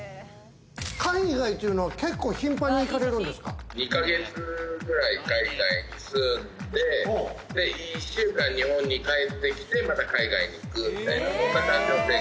海外っていうのは結構頻繁に２か月くらい海外に住んで、１週間、日本に帰ってきて、また海外に行くみたいな。